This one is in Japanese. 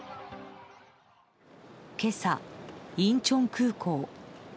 今朝、インチョン空港。